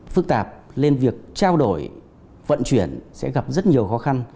phức tạp nên việc trao đổi vận chuyển sẽ gặp rất nhiều khó khăn